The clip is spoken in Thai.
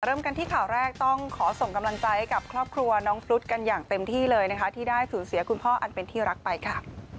เริ่มกันที่ข่าวแรกต้องขอส่งกำลังใจให้กับครอบครัวน้องฟลุ๊กกันอย่างเต็มที่เลยนะคะที่ได้สูญเสียคุณพ่ออันเป็นที่รักไปค่ะ